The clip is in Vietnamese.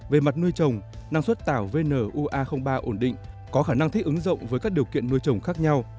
về mặt nuôi trồng năng suất tàu vnua ba ổn định có khả năng thích ứng rộng với các điều kiện nuôi trồng khác nhau